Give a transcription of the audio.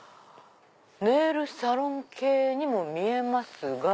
ネイルサロン系にも見えますが。